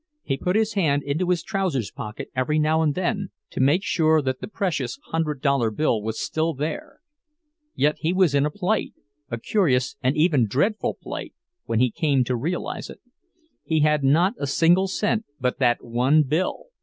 He put his hand into his trousers' pocket every now and then, to make sure that the precious hundred dollar bill was still there. Yet he was in a plight—a curious and even dreadful plight, when he came to realize it. He had not a single cent but that one bill!